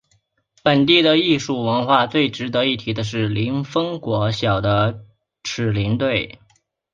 本地的艺术文化最值得一提的是林凤国小的扯铃队。